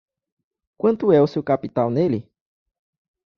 Quanto é o seu capital nele?